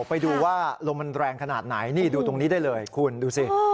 ไปดูว่าลมมันแรงขนาดไหนนี่ดูตรงนี้ได้เลยคุณดูสิ